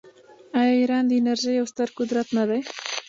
آیا ایران د انرژۍ یو ستر قدرت نه دی؟